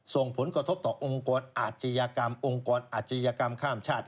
ส่งผลกระทบต่อองค์กรอาชญากรรมองค์กรอาชญากรรมข้ามชาติ